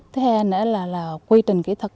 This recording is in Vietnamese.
thứ hai nữa là quy trình kỹ thuật